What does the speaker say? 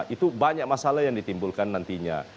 itu banyak masalah yang ditimbulkan nantinya